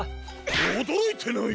おどろいてない！